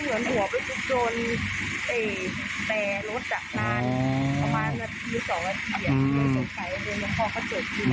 โดยเมื่อพ่อเขาเจอที่นั่น